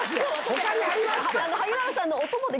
他にありますって。